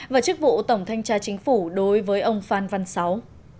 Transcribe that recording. và chức vụ tổng thanh tra chính phủ đối với ông phan văn sáu